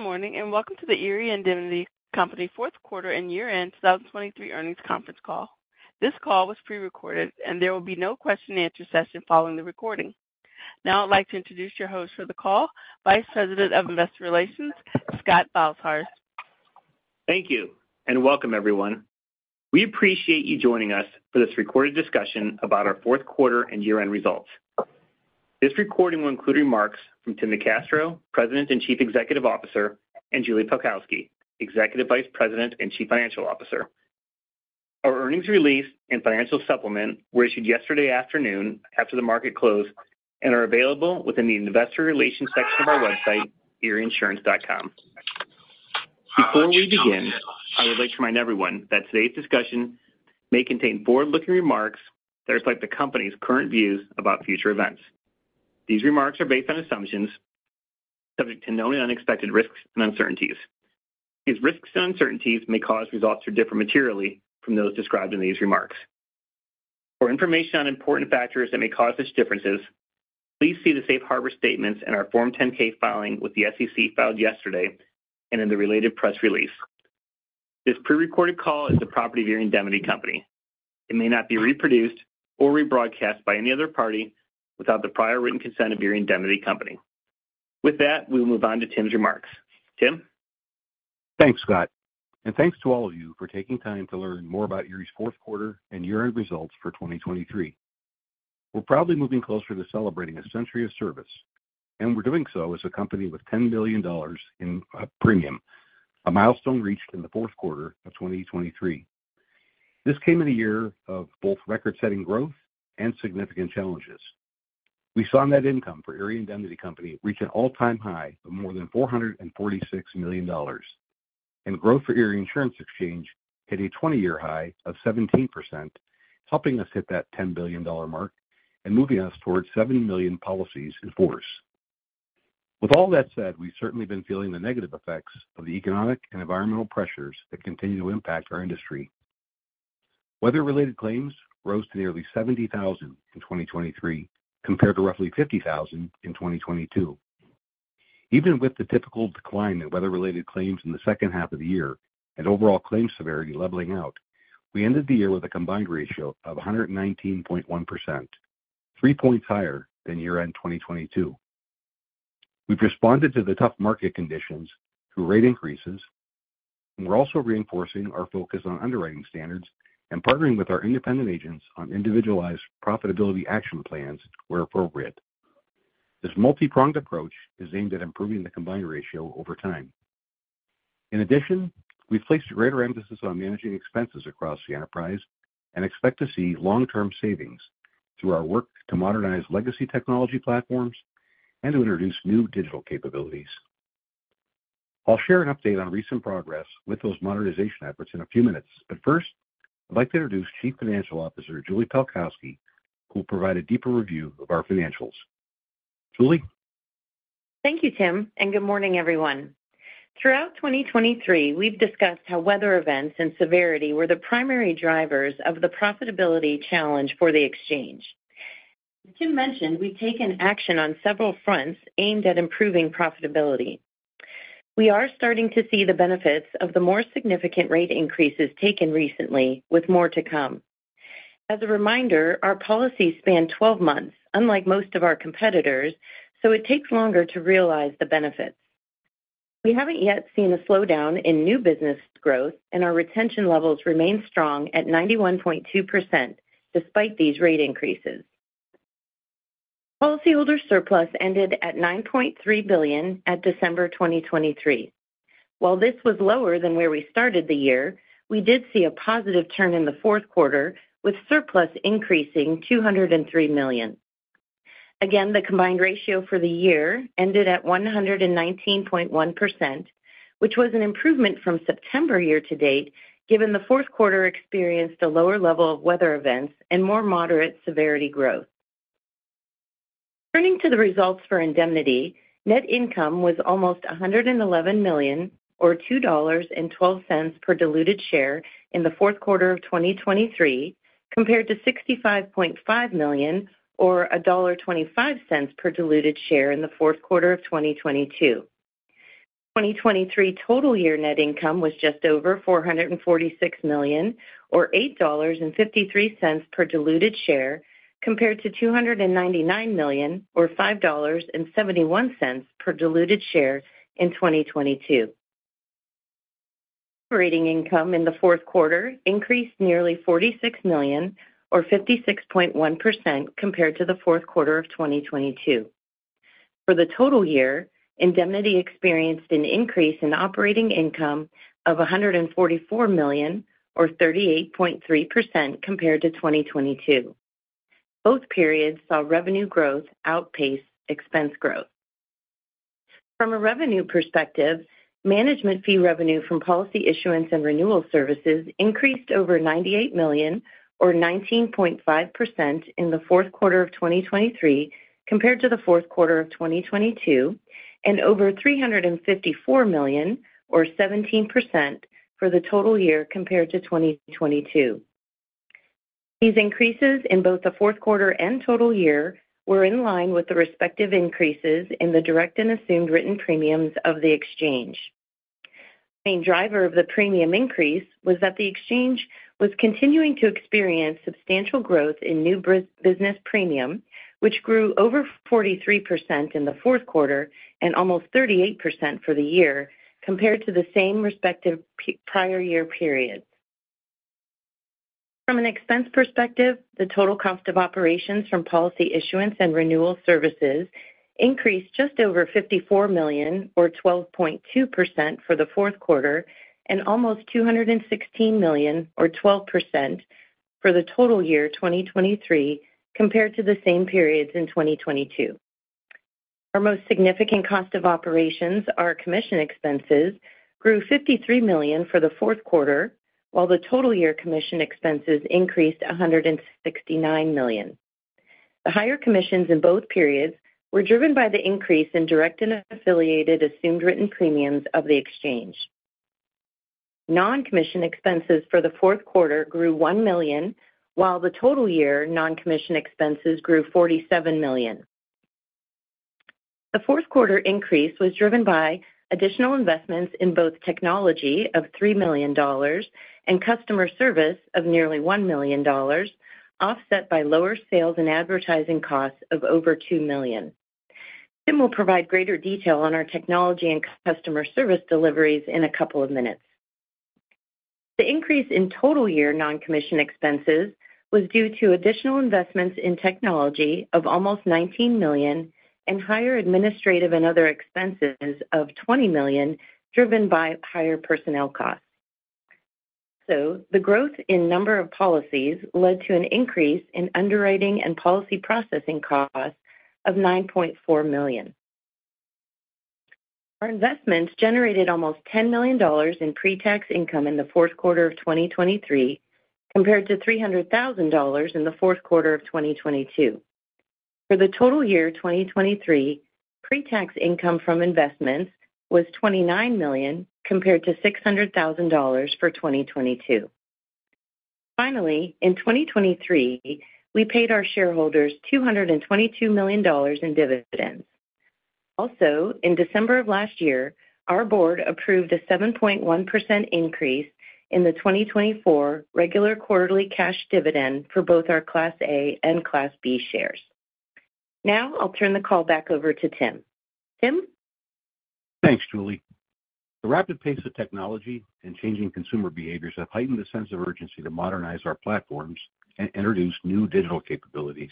Good morning and welcome to the Erie Indemnity Company fourth quarter and year-end 2023 earnings conference call. This call was pre-recorded and there will be no question-and-answer session following the recording. Now I'd like to introduce your host for the call, Vice President of Investor Relations, Scott Beilharz. Thank you and welcome, everyone. We appreciate you joining us for this recorded discussion about our fourth quarter and year-end results. This recording will include remarks from Tim NeCastro, President and Chief Executive Officer, and Julie Pelkowski, Executive Vice President and Chief Financial Officer. Our earnings release and financial supplement were issued yesterday afternoon after the market closed and are available within the Investor Relations section of our website, erieinsurance.com. Before we begin, I would like to remind everyone that today's discussion may contain forward-looking remarks that reflect the company's current views about future events. These remarks are based on assumptions subject to known and unexpected risks and uncertainties. These risks and uncertainties may cause results to differ materially from those described in these remarks. For information on important factors that may cause such differences, please see the Safe Harbor statements and our Form 10-K filing with the SEC filed yesterday and in the related press release. This pre-recorded call is the property of Erie Indemnity Company. It may not be reproduced or rebroadcast by any other party without the prior written consent of Erie Indemnity Company. With that, we will move on to Tim's remarks. Tim? Thanks, Scott. And thanks to all of you for taking time to learn more about Erie's fourth quarter and year-end results for 2023. We're proudly moving closer to celebrating a century of service, and we're doing so as a company with $10 billion in premium, a milestone reached in the fourth quarter of 2023. This came in a year of both record-setting growth and significant challenges. We saw net income for Erie Indemnity Company reach an all-time high of more than $446 million, and growth for Erie Insurance Exchange hit a 20-year high of 17%, helping us hit that $10 billion mark and moving us towards 7 million policies in force. With all that said, we've certainly been feeling the negative effects of the economic and environmental pressures that continue to impact our industry. Weather-related claims rose to nearly 70,000 in 2023 compared to roughly 50,000 in 2022. Even with the typical decline in weather-related claims in the second half of the year and overall claim severity leveling out, we ended the year with a Combined Ratio of 119.1%, three points higher than year-end 2022. We've responded to the tough market conditions through rate increases, and we're also reinforcing our focus on underwriting standards and partnering with our independent agents on individualized profitability action plans where appropriate. This multi-pronged approach is aimed at improving the Combined Ratio over time. In addition, we've placed greater emphasis on managing expenses across the enterprise and expect to see long-term savings through our work to modernize legacy technology platforms and to introduce new digital capabilities. I'll share an update on recent progress with those modernization efforts in a few minutes, but first, I'd like to introduce Chief Financial Officer Julie Pelkowski, who will provide a deeper review of our financials. Julie? Thank you, Tim, and good morning, everyone. Throughout 2023, we've discussed how weather events and severity were the primary drivers of the profitability challenge for the exchange. As Tim mentioned, we've taken action on several fronts aimed at improving profitability. We are starting to see the benefits of the more significant rate increases taken recently, with more to come. As a reminder, our policy spanned 12 months, unlike most of our competitors, so it takes longer to realize the benefits. We haven't yet seen a slowdown in new business growth, and our retention levels remain strong at 91.2% despite these rate increases. Policyholder surplus ended at $9.3 billion at December 2023. While this was lower than where we started the year, we did see a positive turn in the fourth quarter, with surplus increasing $203 million. Again, the Combined Ratio for the year ended at 119.1%, which was an improvement from September year-to-date given the fourth quarter experienced a lower level of weather events and more moderate severity growth. Turning to the results for Indemnity, net income was almost $111 million, or $2.12 per diluted share in the fourth quarter of 2023, compared to $65.5 million, or $1.25 per diluted share in the fourth quarter of 2022. 2023 total year net income was just over $446 million, or $8.53 per diluted share, compared to $299 million, or $5.71 per diluted share in 2022. Operating income in the fourth quarter increased nearly $46 million, or 56.1%, compared to the fourth quarter of 2022. For the total year, Indemnity experienced an increase in operating income of $144 million, or 38.3%, compared to 2022. Both periods saw revenue growth outpace expense growth. From a revenue perspective, management fee revenue from policy issuance and renewal services increased over $98 million, or 19.5%, in the fourth quarter of 2023 compared to the fourth quarter of 2022, and over $354 million, or 17%, for the total year compared to 2022. These increases in both the fourth quarter and total year were in line with the respective increases in the direct and assumed written premiums of the exchange. The main driver of the premium increase was that the exchange was continuing to experience substantial growth in new business premium, which grew over 43% in the fourth quarter and almost 38% for the year compared to the same respective prior year periods. From an expense perspective, the total cost of operations from policy issuance and renewal services increased just over $54 million, or 12.2%, for the fourth quarter and almost $216 million, or 12%, for the total year 2023 compared to the same periods in 2022. Our most significant cost of operations, our commission expenses, grew $53 million for the fourth quarter, while the total year commission expenses increased $169 million. The higher commissions in both periods were driven by the increase in direct and affiliated assumed written premiums of the exchange. Non-commission expenses for the fourth quarter grew $1 million, while the total year non-commission expenses grew $47 million. The fourth quarter increase was driven by additional investments in both technology of $3 million and customer service of nearly $1 million, offset by lower sales and advertising costs of over $2 million. Tim will provide greater detail on our technology and customer service deliveries in a couple of minutes. The increase in total year non-commission expenses was due to additional investments in technology of almost $19 million and higher administrative and other expenses of $20 million driven by higher personnel costs. Also, the growth in number of policies led to an increase in underwriting and policy processing costs of $9.4 million. Our investments generated almost $10 million in pre-tax income in the fourth quarter of 2023 compared to $300,000 in the fourth quarter of 2022. For the total year 2023, pre-tax income from investments was $29 million compared to $600,000 for 2022. Finally, in 2023, we paid our shareholders $222 million in dividends. Also, in December of last year, our board approved a 7.1% increase in the 2024 regular quarterly cash dividend for both our Class A and Class B shares. Now I'll turn the call back over to Tim. Tim? Thanks, Julie. The rapid pace of technology and changing consumer behaviors have heightened the sense of urgency to modernize our platforms and introduce new digital capabilities.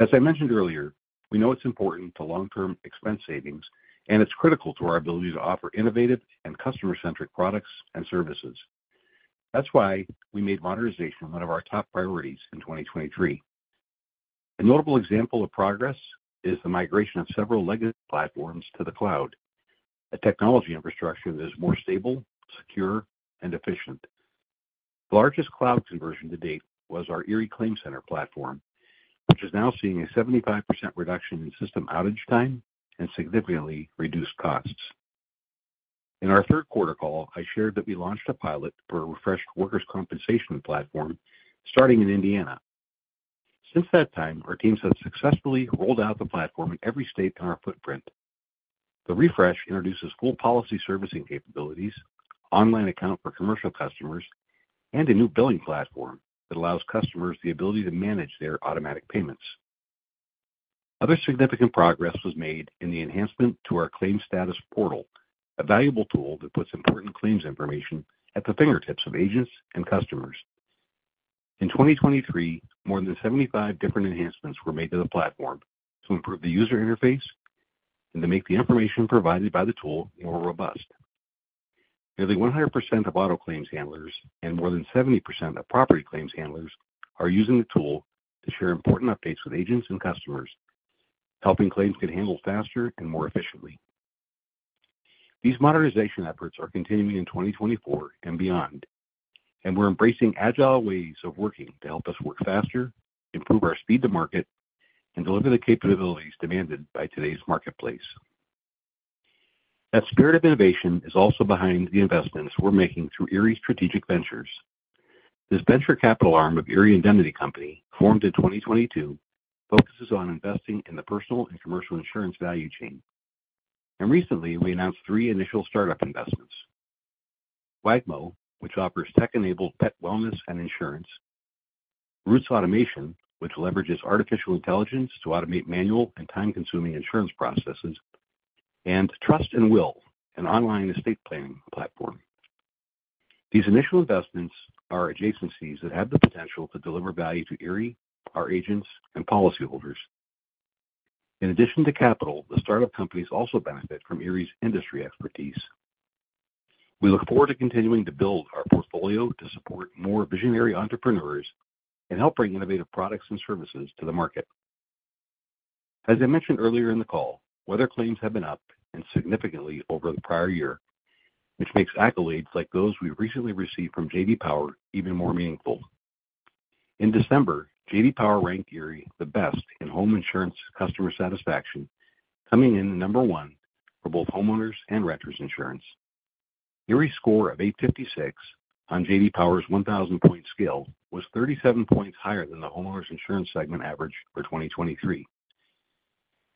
As I mentioned earlier, we know it's important to long-term expense savings, and it's critical to our ability to offer innovative and customer-centric products and services. That's why we made modernization one of our top priorities in 2023. A notable example of progress is the migration of several legacy platforms to the cloud, a technology infrastructure that is more stable, secure, and efficient. The largest cloud conversion to date was our Erie Claim Center platform, which is now seeing a 75% reduction in system outage time and significantly reduced costs. In our third quarter call, I shared that we launched a pilot for a refreshed workers' compensation platform starting in Indiana. Since that time, our team has successfully rolled out the platform in every state on our footprint. The refresh introduces full policy servicing capabilities, online accounts for commercial customers, and a new billing platform that allows customers the ability to manage their automatic payments. Other significant progress was made in the enhancement to our claim status portal, a valuable tool that puts important claims information at the fingertips of agents and customers. In 2023, more than 75 different enhancements were made to the platform to improve the user interface and to make the information provided by the tool more robust. Nearly 100% of auto claims handlers and more than 70% of property claims handlers are using the tool to share important updates with agents and customers, helping claims get handled faster and more efficiently. These modernization efforts are continuing in 2024 and beyond, and we're embracing agile ways of working to help us work faster, improve our speed to market, and deliver the capabilities demanded by today's marketplace. That spirit of innovation is also behind the investments we're making through Erie Strategic Ventures. This venture capital arm of Erie Indemnity Company, formed in 2022, focuses on investing in the personal and commercial insurance value chain. Recently, we announced three initial startup investments: Wagmo, which offers tech-enabled pet wellness and insurance; Roots Automation, which leverages artificial intelligence to automate manual and time-consuming insurance processes; and Trust & Will, an online estate planning platform. These initial investments are adjacencies that have the potential to deliver value to Erie, our agents, and policyholders. In addition to capital, the startup companies also benefit from Erie's industry expertise. We look forward to continuing to build our portfolio to support more visionary entrepreneurs and help bring innovative products and services to the market. As I mentioned earlier in the call, weather claims have been up and significantly over the prior year, which makes accolades like those we've recently received from J.D. Power even more meaningful. In December, J.D. Power ranked Erie the best in home insurance customer satisfaction, coming in number one for both homeowners and renters insurance. Erie's score of 856 on J.D. Power's 1,000-point scale was 37 points higher than the homeowners insurance segment average for 2023,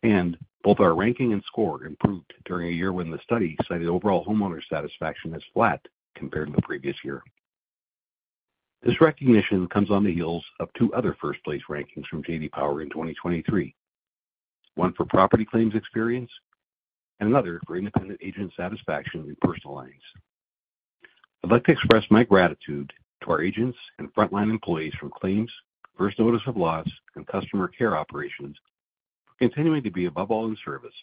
and both our ranking and score improved during a year when the study cited overall homeowner satisfaction as flat compared to the previous year. This recognition comes on the heels of two other first-place rankings from J.D. Power in 2023, one for property claims experience and another for independent agent satisfaction in personal lines. I'd like to express my gratitude to our agents and frontline employees from claims, first notice of loss, and customer care operations for continuing to be above all in service,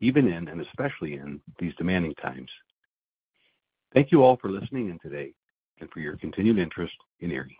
even in and especially in these demanding times. Thank you all for listening in today and for your continued interest in Erie.